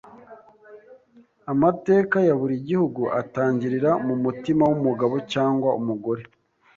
Amateka ya buri gihugu atangirira mumutima wumugabo cyangwa umugore.